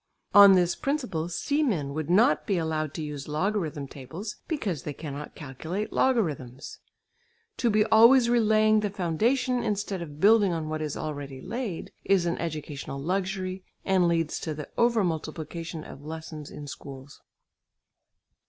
On this principle seamen would not be allowed to use logarithm tables, because they cannot calculate logarithms. To be always relaying the foundation instead of building on what is already laid is an educational luxury and leads to the over multiplication of lessons in schools.